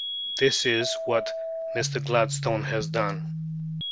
This is what Mr. Gladstone has done.